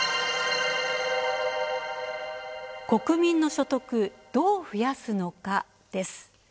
「国民の所得どう増やすのか？」です。